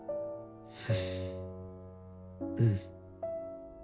うん。